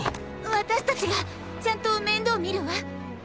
私たちがちゃんと面倒見るわ！